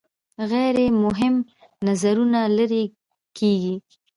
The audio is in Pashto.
غیر مهم نظرونه لرې کیږي.